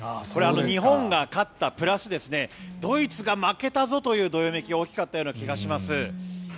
日本が勝ったプラスドイツが負けたぞというどよめきが大きかったような気がします。